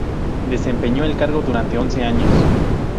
Desempeñó el cargo durante once años.